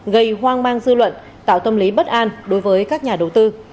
gây hoang mang dư luận tạo tâm lý bất an đối với các nhà đầu tư